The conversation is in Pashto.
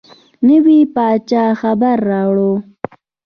نوي پاچا خبر راووړ.